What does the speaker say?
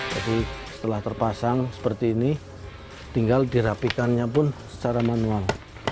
jadi setelah terpasang seperti ini tinggal dirapikannya pun secara manual